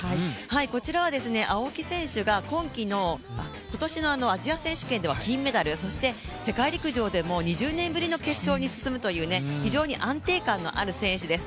こちらは青木選手が今年のアジア選手権では金メダル、そして世界陸上でも２０年ぶりの決勝に進むという非常に安定感のある選手です。